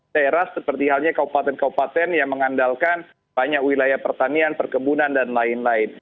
daerah seperti halnya kabupaten kabupaten yang mengandalkan banyak wilayah pertanian perkebunan dan lain lain